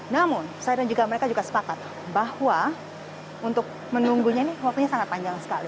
namun saya dan juga mereka juga sepakat bahwa untuk menunggunya ini waktunya sangat panjang sekali